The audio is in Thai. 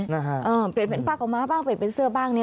เปลี่ยนเป็นปากของม้าบ้างเปลี่ยนเป็นเสื้อบ้าง